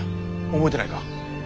覚えてないか？